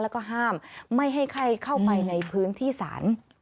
แล้วก็ห้ามไม่ให้ใครเข้าไปในพื้นที่ศาล